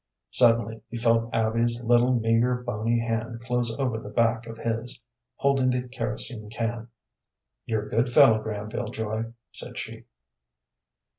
Suddenly he felt Abby's little, meagre, bony hand close over the back of his, holding the kerosene can. "You're a good fellow, Granville Joy," said she.